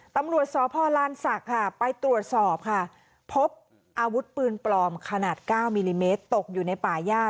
ตำรวจสพลานศักดิ์ค่ะไปตรวจสอบค่ะพบอาวุธปืนปลอมขนาด๙มิลลิเมตรตกอยู่ในป่าย่า